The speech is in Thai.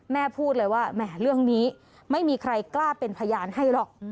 พูดเลยว่าแหมเรื่องนี้ไม่มีใครกล้าเป็นพยานให้หรอก